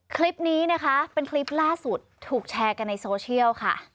คลิปนี้นะคะเป็นคลิปล่าสุดถูกแชร์กันในโซเชียลค่ะ